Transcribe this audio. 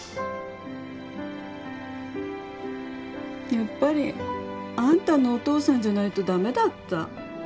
やっぱりあんたのお父さんじゃないと駄目だった。